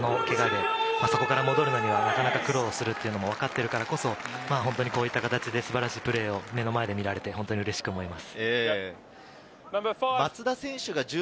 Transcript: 大きなけが、自分もけがをしたことがあるけがで、そこから戻るのには、なかなか苦労するっていうのを分かってるからこそ、本当にこういった形で素晴らしいプレーを目の前で見られて、本当にうれしく思います。